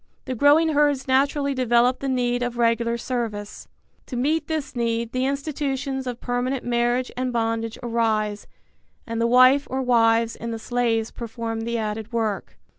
The growing herds naturally develop the need of regular service. To meet this need the institutions of permanent marriage and bondage arise and the wife or wives and the slaves perform the added work.